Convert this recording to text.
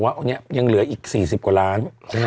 ว่าวันนี้ยังเหลืออีก๔๐กว่าล้าน